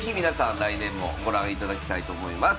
来年もご覧いただきたいと思います。